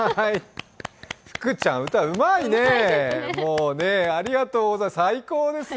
福ちゃん、歌うまいね。ありがとうございます。